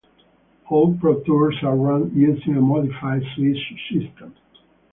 All Pro Tours are run using a modified Swiss system.